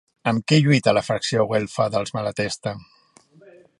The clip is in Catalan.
Amb què lluita la fracció güelfa dels Malatesta?